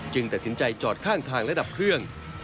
ตัดสินใจจอดข้างทางและดับเครื่อง